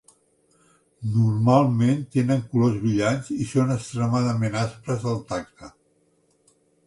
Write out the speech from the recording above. Normalment, tenen colors brillants i són extremadament aspres al tacte.